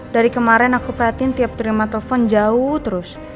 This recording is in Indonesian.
dari kemarin aku perhatiin tiap terima telepon jauh terus